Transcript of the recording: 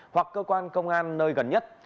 hoặc cơ quan công an nơi gần nhất